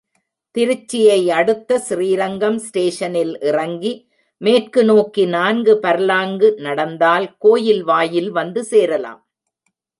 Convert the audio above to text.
திருச்சியை அடுத்த ஸ்ரீரங்கம் ஸ்டேஷனில் இறங்கி மேற்கு நோக்கி நான்கு பர்லாங்கு நடந்தால் கோயில் வாயில் வந்து சேரலாம்.